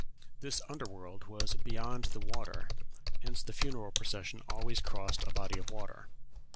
This under world was beyond the water, hence the funeral procession always crossed a body of water.